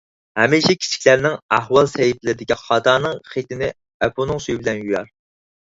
ھەمىشە كىچىكلەرنىڭ ئەھۋال سەھىپىلىرىدىكى خاتانىڭ خېتىنى ئەپۇنىڭ سۈيى بىلەن يۇيار.